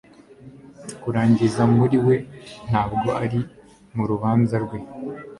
Kurangiza muri we ntabwo ari mu rubanza rwe